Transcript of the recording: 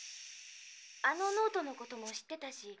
あのノートの事も知ってたし。